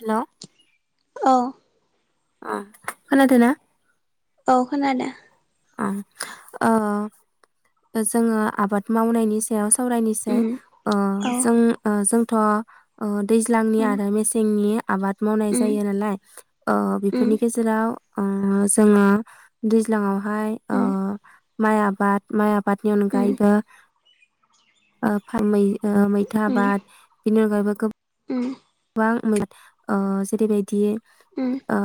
हेल'। अ। ओ खोनादोना? औ खोनादो। ओ जोङो आबाद मावनायनि सायाव सावरायनोसै उम ओ औ जों जों थ'। अ दैज्लांनि उम आरो मेसेंनि आबाद मावनाय उम जायो नालाय अ उम बेफोरनि गेजेराव ओ जोङो दैज्लाङाव हाय ओ उम माइ आबाद माइ आबादनि उम उम अनगायैबो ओ फा मै ओ मैथा आबाद बेनि अनगायैबो गोबां उम बां मोन ओ जेरैबायदि उम ओ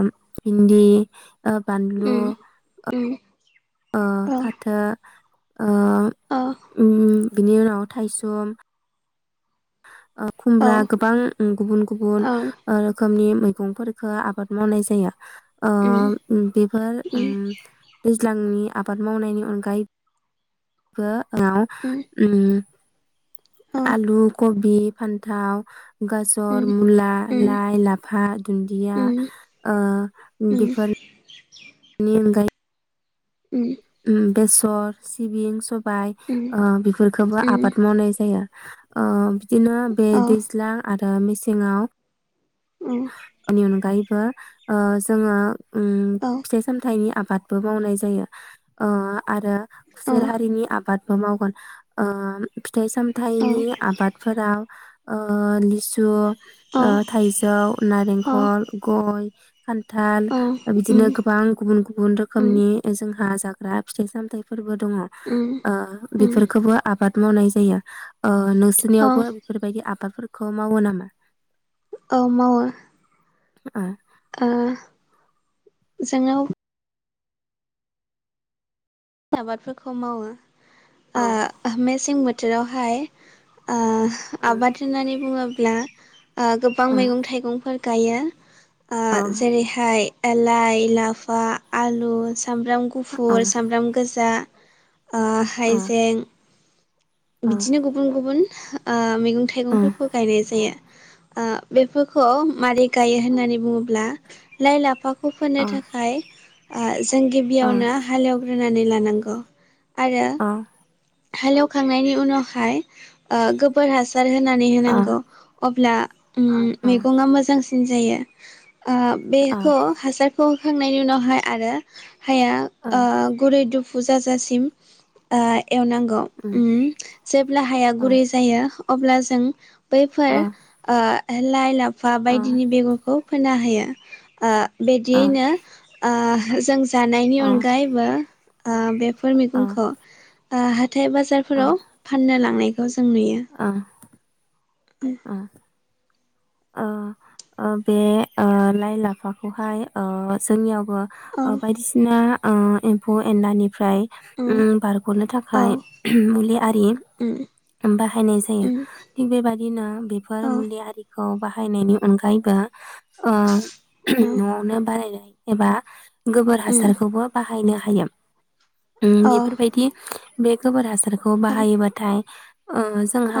ओम भिन्दि ओ बानलु उम ओ उम ओ औ फाथो ओ औ ओम। बिनि उनाव थायसुम [inaudible] ओ औ खुमब्रा गोबां गुबुन गुबुन औ ओ रोखोमनि मै गंफोरफोरखो आबाद मावनाय जायो। ओ उम बेफोर उम दैज्लांनि आबाद मावनायनि अनगायैबो [unintelligible] उम। उम औ आलु कबि बि फान्थाव उम गाजर, मुला, लाइ, लाफा, दुन्दिया ओ औ बिफोर नि अनगाय उम। उम बेसर, सिबिं, सब बाय औ ओ बिफोरखोबो औ आबाद मावनाय जायो। ओम बिदिनो बे औ दैज्लां आरो ओ मेसेङाव। औ उम [unintelligible] ओ जोङो उम फिथाइ सामथाइनि आबाद बो मावनाय जायो ओ आरो खुसेर हारिनि आबाद मावगोन ओ फि थाइ सामथाइनि उम आबादफोराव ओ लिसु ओ थाइजौ। नारेंखल गय खान्थाल बिदिनो गोबां गुबुन गुबुन रोखोमनि जोंहा जाग रा फिथाय सामायफोरबो दङ ओ उम बेफोरखौबो आबाद मावनाय जायो ओ औ नोंसोरनियावबो बेफोरबायदि आबादफोर खौ मावो नामा औ मावो अ ओ जोंङाव आबादफोरखौ मावो उम सें बोथोरावहाय ओ आबाद होननानै बुङोब ब्ला आ गोबां औ मैगं थाइगंफोर गायो औ आ जेरैहाय एलाइ लाफा आलु सामब्राम गुफुर सामब्राम गो जा आ हाइजें बिदिनो गुबुन गुबुन ओ मैगं थाइगंफोरखौ गायनाय जायो आ बेफोरखौ मारै गायो होननानै बुङोब्ला लाइ लाफा खौ फोनो थाखाय आ जों गिबियावनो हालेव होनानै लानांगौ आरो हालौ खांनायनि उनावहाय ओ गोबोर हा सार होनानै होनांगौ अब्ला उम मैगंया मोजां जायो आ बेखौ हासार बेखौ होखांनायनि उनावहाय आरो हाया ओ गुरै दुब फुजाजासिम ओ एवनांगौ उम जेब्ला हाया गुरै जायो अब्ला जों बैफोर ओ लाइ ला फा बायदिनि बेगरखौ फोना हायो आ बिदियैनो ओ जों जानायनि अनगायैबो आ बे फोर मैगंखौ ओ हाथायबा बाजारफोराव फाननो लांनाय बेखौ जों नुयो ओ ओ ओ बे ओ लाइ लाफाखौहाय ओ जोंनियाव औ बायदिसिना ओ एमफौ एनलानि फ्राय उम ओ बारग'नो औ थाखाय मुलि आरि उम बाहायनाय जायो, उम थिग बेबायदिनो बेफोर औ मुलि आरि खौ बाहायनायनि अनगायैबो ओ औ न'आवनो बानायनाय एबा गोबोर उम हासारखौबो बा हायनो हायो। उम औ बेफोरबायदि बे गोबोर हासार खौ बाहायोबाथाय ओ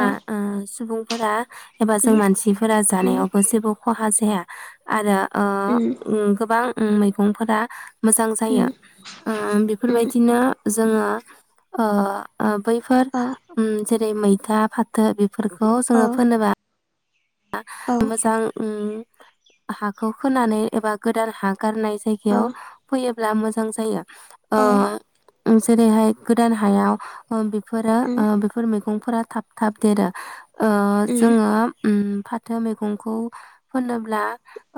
औ ओ सुबुं फोरा एबा जों मानसि उम जानायावबो जेबो खहा जाया आरो ओ उम गोबां उम मैगं फोरा मोजां उम जायो। उम बेफोर उम बायदिनो जोङो ओ ओब बैफोर औ उम जेरै मैथा फाथो बेब फोरखौ औ जोङो फोनोबा बा औ मोजां उम हाखौ खोनानै एबा गोदान हा गारनाय औ जायगायाव फैयो ब्ला मोजां जायो। ओ औ उम जेरैहाय गोदान हायाव ओम बेफोरो उम ओ बेफोर मै गंफोरा थाब थाब देरो। ओ जोङो उम फाथो मैगंखौ फोनोब्ला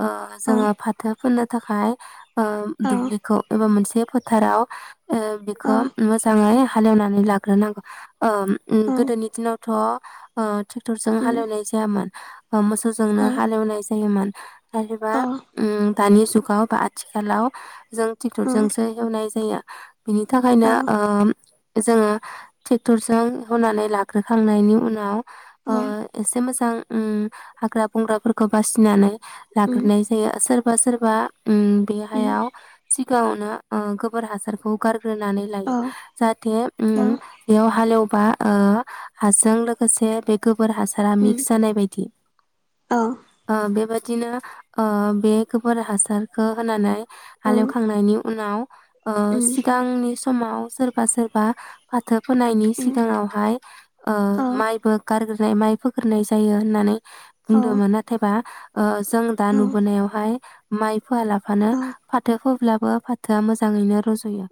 ओ-जोङो फाथो फोनोद थाखाय। ओ दुब्लिखौ एबा मोनसे। बे फोथाराव। ओ- बिखौ मोजाङै। हालेवनानै लाग्रोनांगौ। ओम ओ-गोदोनि दिनावथ'। ओ। थरजों हालेवनायस [unintelligible] बा मोसौजोंनो हालेवनाय जायोमोन। नाथायबा ओम दानि जुग बा आथिखालाव। जों टिक्टरजोंसो एवनाय जायो। बिनि थाखायनो ओम। जोङो टेक्टरजों एवउनानै लाग्रोखांनायनि उनाव। ओ एसे मोज ओं‌ उम हाग्रा बंग्राफोरखौ बासिनानै। लाग्रोनाय जायो ओ-सोरब रबा सोरबा। उम बे हायाव जिथ गोआवनो ओ गोबोर हासारखौ गार ग्रोनानै लायो जाहाथे उम बेयाव हालेव। बा ओ-हाजों लोगोसे बे गोब फोर हासारा मिग सानाय बायदि ओ- बेबाद दिनो ओ- बे गोबोर हासारखौ होनानै। हालेवखांनायनि उनाव। ओ सिगांनि स समाव सोरबा सोरबा फाथ थो फोनायनि सिगाङावहाय ओ-माइबो गारगोर फाय माइफो फोरनाय जायो होननानै बुंदोंमोन नाथायबा ओ जों दा नुबोनायावहाय माइ फोआलाबानो फाथो फोब्लाबो फाथोआ मोजाङैनो रज होयो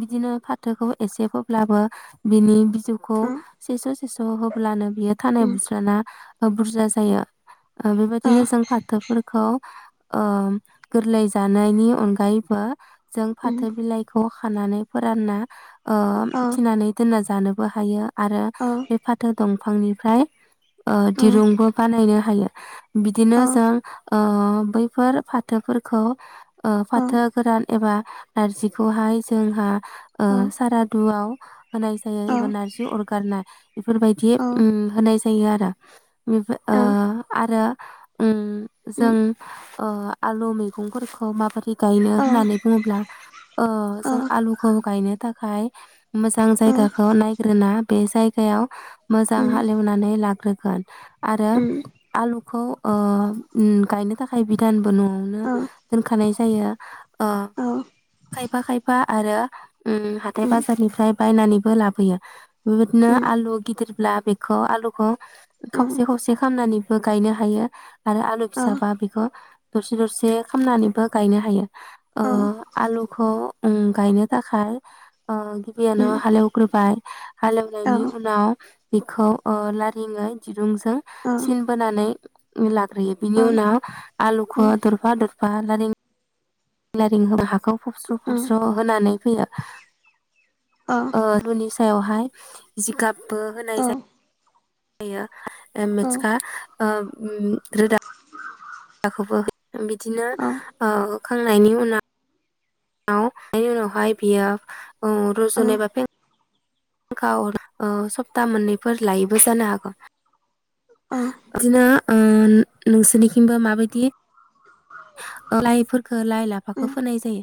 बिदिनो फाथ थोखौ एसे फोब्लाबो बिनि बि जौखौ सेस' सेस' होब्लानो बियो खानाइ बुस ओ बुरजा जायो। ओ बेबायदिनो जों फाथोफोरखौ ओ गोरलै जानायनि अनगायैबो जों फाथो बिलाइखौ खानानै फोरानना‌ ओ थिनानै दोनना जानोबो हायो। आरो बे फाथो दं फांनिफ्राय ओ दिरुंबो बानायनो हायो। बिदिनो जों ओ बैफोर फाथोफोरखौ ओ फाथो गोरान एबा नारजिखौहाय जोंहा ओ सारादुवाव होनाय जायो एबा नारजि अरगारनाय बेफोरबायदि उम होनाय होयो आरो इनफाय ओ आरो उम जों ओ आलु मैगंफोरखौ माबोरै गायनो होननानै बुङोब्ला ओ जों आलुखौ गायनो थाखाय मोजां जायगाखौ नायग्रोना बे जायगायाव मोजां हालेवनानै लाग्रोगोन आरो आलुखौ ओ उम गायनो थाखाय बिधान बो न'आवनो दोनखानाय जायो ओ खायफा खायफा आरो उम हाथाय बाजारनिफ्राय बायनानैबो लाबोयो बेबायदिनो आलु गिदिरब्लाब बिख' आलु ह खावसे खावसे खामनानै बो गायनो हायो आरो आलु फिसाबा बेखौ दरसे दरसे खालामनानैबो गायनो हायो। ओ आलुखौ उम गायनो थाखाय अ गिबि आवनो हालौ ग्रोबाय हालेवनायनि उनाव बेखौ ओ ला [unintelligible] रुंजों सिन बोनानै मिला यो बिनि उनाव आलुखौ दरफा दरफा बालारि [unintelligible] हाखौ फबस्र फबस्र होनानै फैयो ओ रुनि सायावहाय जिगाब बो औ होनाय जायो [inaudible] होयो एम एसखा ओ रोदा हाखौबो बिदिनो औ ओ होखांनायनि उनाव [unintelligible] बेनि उनावहाय बियो औ रजनाय एबा फें फेंखा सप्ता मोननैफोर लायैबो जानो हागौ औ बिदिनो ओं नोंसोरनिखिंबाे माबायदि? ओ लाइफोरखौ लाइ लाफाखौ फोनाय जायो?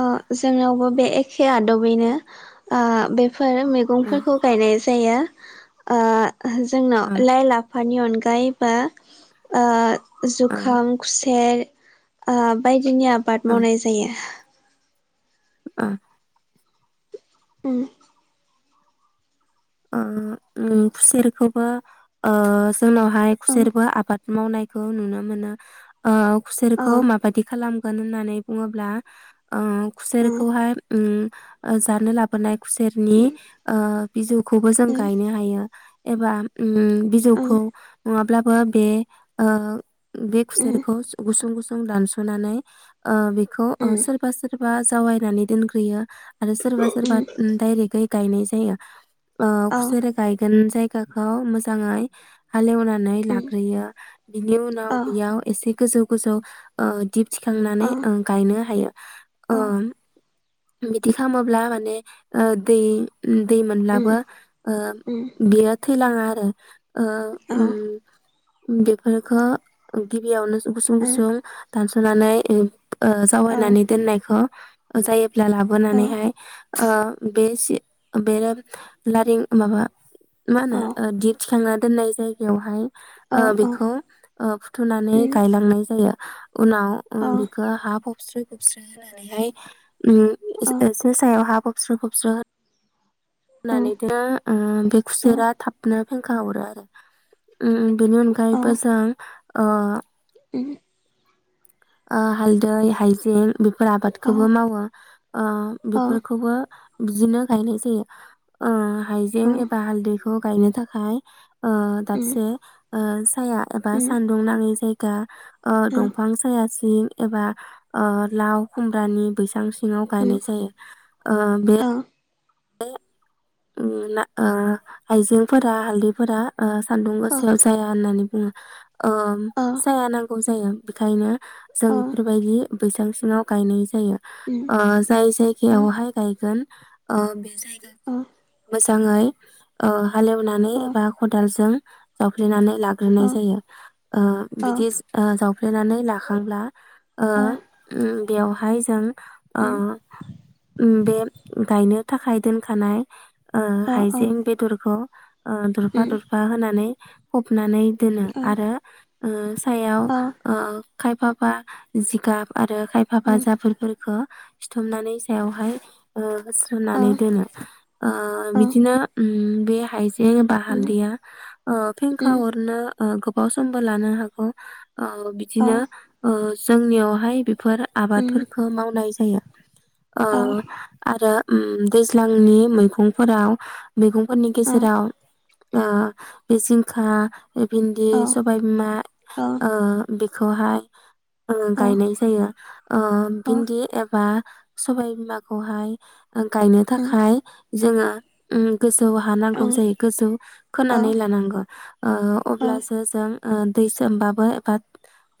ओ जोंनावबो बे एखे आदबैनो ओ बे फोर ओ मैगंफोरखौ गायनाय जायो। ओ ओ जोंनाव लाइ लाफानि अन गायबा ओ ओ जुखाम, खुसेर आ बाय बिदिनि आबाद ओ मावनाय जायो। ओ उम ओ उम खुसेरखौबो ओ जोंनावहाय औ खुसेरबो आबाद मावनायखौ नुनो मोनो ओ औ खुसेरखौ मा बादि खालाम गोन होननानै बुङोब्ला ओ उम खुसेरखौहाय उम ओ जानो लाबोनाय खुसेरनि ओ बिजौ खौबो जों उम गायनो हायो एबा ओम उम बिजौखौ नङाब्ला बा बे ओ बे उम खुसेरखौ सु गुसुं गुसुं दानसनानै ओ बे खौ ओ उम सोरबा सोर बा जावयायनानै दोनग्रोयो आरो सोरबा सोरबा उम ओ दारेगोयै गायनाय जायो। ओ औ खुसेर गायगोन जाय गाखौ मोजाङै हालेवनानै उम लाग्रोयो बिनि उनाव औ बेयाव एसे गोजौ गोजौ‌ ओ दिब थिखांनानै औ ओ गायनो हायो औ ओ बिदि खालामोब्ला माने ओ दै दै उम मोनब्लाबो ओ उम बियो थै लांङा आरो। औ बेफोरखो गिबियावनो उम गुसुं-गुसुं दानस'नानै ओ ओ औ जावायनानै दोननायखो जायो अब्ला औ लाबोनानैहाय ओ बे जे बेयो लारिं माबा मा होनो औ ओ दिगथिखांना दोननाय जायगायावहाय औ ओ औ बेखौ ओ फुथुनानै उम गायलांनाय जायो। उनाव ओम औ बिखौ हा फब खोबस्रो-खोबस्रो होनानैहाय ओम एसे सो सायाव हा फब खबस्र-खबस्रो होननानैनो बे खुसेरा थाबनो फेंखा अरो आरो। अम बेनि अनगायैबो जों ओ अम ओ हालदै हाइजें बेफोर आबादखौबो मावो ओ बेफोरखौबो बिदिनो गायनाय जायो ओ हाइजें एबा हालदै खौ गायनो थाखाय ओ दाबसे ओ साया एबा सानदुं नाङै जाय दा ओ दंफां जिं एबा ओ लाव खुमब्रानि बैसागो सि सिङाव गायनाय जायो ओ बे [unintelligible] ओम ना ओ आइजेंफोरा हालदैफोरा ओ सान्दुं गोसायाव जाया होननानै उम ओ साया नांगौ जा जायो बेखायनो जों बेफोरबायदि बैसांसिङाव गायनाय जायो जाय जायगायावहाय गायगोन ओ बे जाय मोजाङै हालेवनानै एबा खदालजों हा उद जावफ्लेनानै लाग्रोनाय जायो बिदि जावफ्लेनानै लाखांब्ला ओ बेयावहाय जों ओ बे गायनो थाखाय दोनखानाय ओ हाइजें बेदरखौ ओ दुरफा दुरफा होनानै सुनानै दोनो आरो ओ सायाव खायफाबा जिगाब आरो खायफाफा जाबीरफोरखौ सिथुमनानै सायावहाय सोमनानै दोनो ओ बिदिनो हम बे हाय बे हालदिया फेंखा हरनो गोबाव समबो लानो हागौ। ओ बिदिनो ओ जोंनियावहाय फोर आबादफोरखौ मावनाय जायो। ओ आरो उम दैज्लांनि फुंफोराव मैगंफोरनि गेजेराव आ बे जिंखा बे भिन्दि सबाय बिमा ओ खौहाय गायनाय जायो ओ भिन्दि एबा सबाय बिमाखौहाय गायनो थाखाय जोङो उम गोजौ हा नांगौ जायो गोजौ खोनानै लानांगौ ओ अब्लासो जों ओ दै सोमबाबो बाद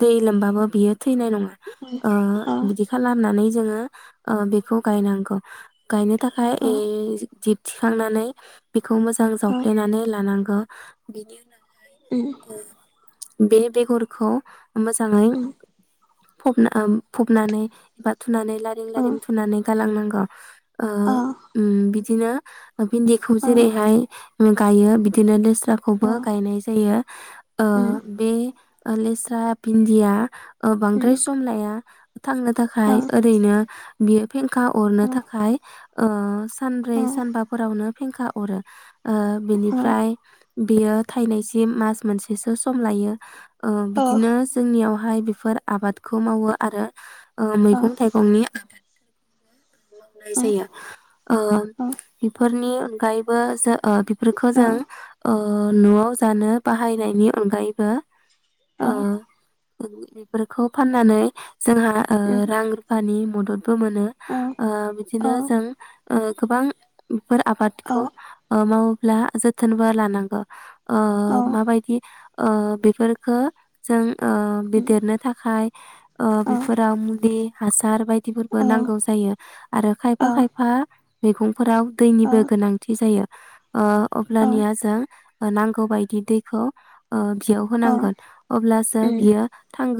दै लोमबाबो बियो थैनाय नङा ओ बिदि खालामनानै जोङो ओ बेखौ गायनांगौ गायनो थाखाय ए जिब थिखांनानै खौ मोजां जावफ्लेनानै लानांगौ बेनि उना उम बे बेगरखौ मोजाङै फबना उम फुबनानै बाथु नानै लारिं लारिं थुनानै गालांनांगौ अ ओ उम बि दिनो भिन्दिखौ जेरैहाय गायो बिदिनो लेस खौबो गायनाय जायो ओ बे ओ लेस्रा पिन्डिया ओ बांद्राय सम लाया। थांनो थाखाय ओरैनो बियो। पेनखा अरनो थाखाय ओ सानब्रै सानबाफोरावनो फेंखा अरो। ओ बिनिफ्राय बेयो थाइननायसि मास मोनसेसो सम लायो। ओ बिदिनो जोंनियाव हाय बेफोर आबाद खौ मावो आरो ओ मैगं थाइगंनि मावनाय जायो। ओ बेफोरनि अनगायैबो जो ओ बेफोरखौ जों ओ ओ नआव जानो बाहायनायनि अनगायैबो ओ बेफोरखौ फाननानै जोंहा ओ रां रुफानि मदद बो मोनो ओ बिदिनो जों ओ गोबां फोर आबादखौ ओ माव ब्ला जथोनबो लानांगौ। ओ माबायदि ओ बेफोरफोरखो जों ओ बेदेरनो थाखाय ओ बेफोराव मुलि हासार बाय दिफोरबो नांगौ जायो आरो खायफा खायफा बेखौ फोराव दैनिबो गोनांथि जायो। ओ अब्लानिया जों। नांगौ बायदि दैखौ। ओ बियाव होनांगोन अब्लासो बियो थांगोन